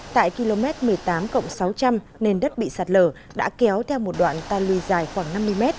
tại km một mươi tám cộng sáu trăm linh nền đất bị sạt lở đã kéo theo một đoạn tan lùi dài khoảng năm mươi mét